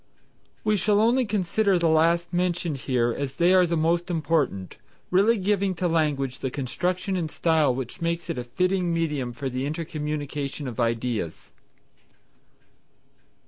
We shall only consider the last mentioned here as they are the most important, really giving to language the construction and style which make it a fitting medium for the intercommunication of ideas.